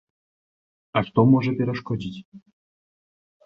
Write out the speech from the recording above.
А што можа перашкодзіць?